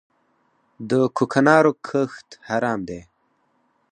د کوکنارو کښت حرام دی؟